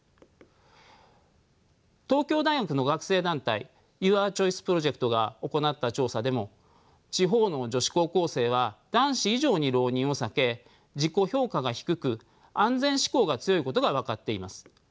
東京大学の学生団体ユアチョイスプロジェクトが行った調査でも地方の女子高校生は男子以上に浪人を避け自己評価が低く安全志向が強いことが分かっています。